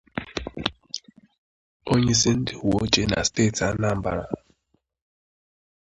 Onyeisi ndị uwe ojii na steeti Anambra